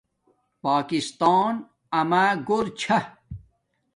پاکستان اما گھور چھا